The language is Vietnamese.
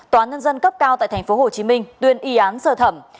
tòa nhân dân cấp cao tại tp hcm tuyên y án sơ thẩm